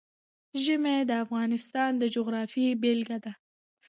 ژمی د افغانستان د جغرافیې بېلګه ده.